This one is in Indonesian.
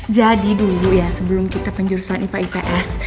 jadi dulu ya sebelum kita penjurusan ipa ips